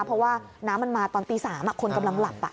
เพราะว่าน้ำมันมาตอนตี๓คนกำลังหลับ